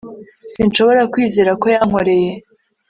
Sinshobora kwizera ko yankoreye